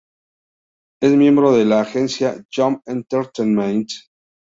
Es miembro de la agencia "Jump Entertainment".